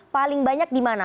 paling banyak di mana